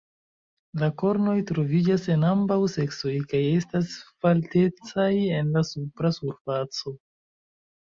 La kornoj troviĝas en ambaŭ seksoj kaj estas faltecaj en la supra surfaco.